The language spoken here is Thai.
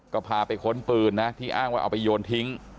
ก็พาไปค้นปืนนะที่อ้างว่าเอาไปโยนทิ้ง